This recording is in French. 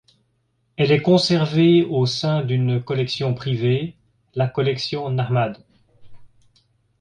Elle est conservée au sein d'une collection privée, la collection Nahmad.